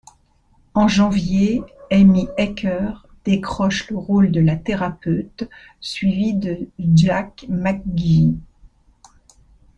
En janvier, Amy Acker décroche le rôle de la thérapeute, suivi de Jack McGee.